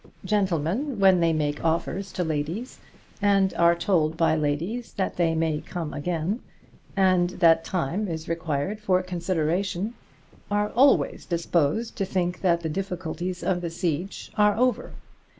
Gentlemen when they make offers to ladies, and are told by ladies that they may come again, and that time is required for consideration, are always disposed to think that the difficulties of the siege are over.